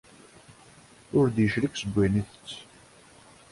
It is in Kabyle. Ur d-yeclig seg wayen ay ittett.